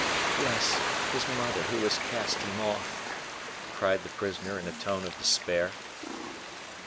"Yes! his mother, who has cast him off," cried the prisoner in a tone of despair.